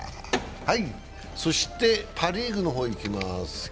そしてパ・リーグの方いきます。